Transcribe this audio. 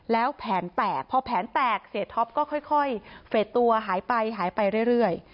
แล้วแผนแตกพอแผนแตกเสียท็อปก็ค่อยเฟสตัวหายไปหายไปเรื่อย